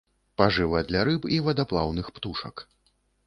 Пажыва для рыб і вадаплаўных птушак.